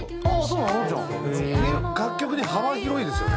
楽曲幅広いですよね。